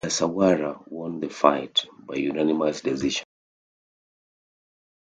Ogasawara won the fight by unanimous decision.